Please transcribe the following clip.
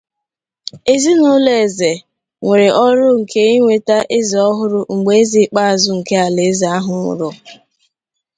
Ezinụlọ eze nwere ọrụ nke inweta eze ọhụrụ mgbe eze ikpeazụ nke alaeze ahụ nwụrụ.